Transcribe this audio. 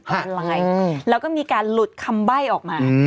ออนไลน์แล้วก็มีการหลุดคำใบ้ออกมา